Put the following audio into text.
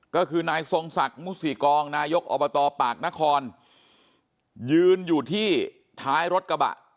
ก็คือนายทรงศักดิ์มุสิกองนายกอบตปากนครยืนอยู่ที่ท้ายรถกระบะ